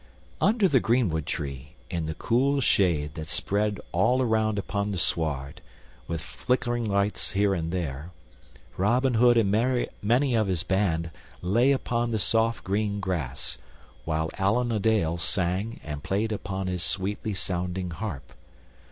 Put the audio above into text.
Under the greenwood tree, in the cool shade that spread all around upon the sward, with flickering lights here and there, Robin Hood and many of his band lay upon the soft green grass, while Allan a Dale sang and played upon his sweetly sounding harp.